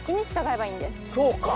そうか。